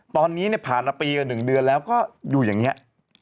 ตอนนี้เนี่ยผ่านปีกับ๑เดือนแล้วก็อยู่อย่างเนี่ย